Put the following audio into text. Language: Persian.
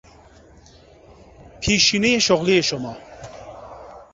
پیشینهی شغلی شما